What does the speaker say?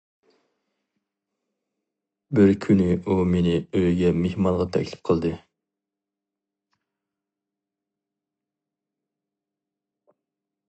بىر كۈنى ئۇ مېنى ئۆيىگە مېھمانغا تەكلىپ قىلدى.